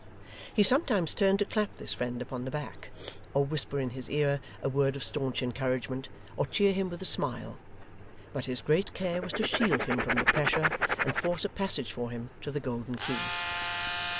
He sometimes turned to clap this friend upon the back, or whisper in his ear a word of staunch encouragement, or cheer him with a smile; but his great care was to shield him from the pressure, and force a passage for him to the Golden Key.